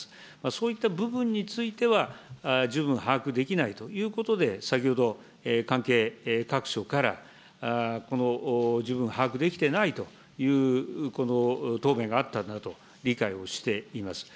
そういった部分については、十分把握できないということで、先ほど関係各所から、この十分把握できてないと、この答弁があったんだと理解をしています。